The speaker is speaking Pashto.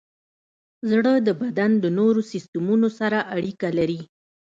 زړه د بدن د نورو سیستمونو سره اړیکه لري.